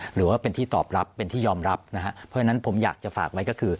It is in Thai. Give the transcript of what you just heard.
หรือว่าเป็นที่ตอบรับเป็นที่ยอมรับนะครับ